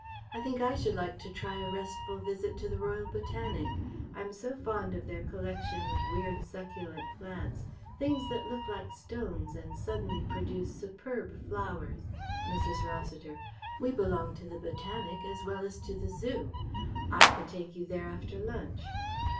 I think I should like to try a restful visit to the Royal Botanic. I'm so fond of their collection of weird succulent plants things that look like stones and suddenly produce superb flowers." Mrs. Rossiter: "We belong to the Botanic as well as to the Zoo. I could take you there after lunch."